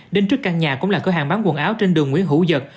đến trước căn nhà cũng là cửa hàng bán quần áo trên đường nguyễn hữu giật